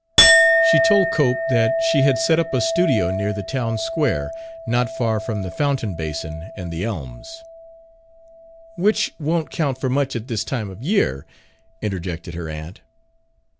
She told Cope that she had set up a studio near the town square, not far from the fountain basin and the elms "Which won't count for much at this time of year," interjected her aunt.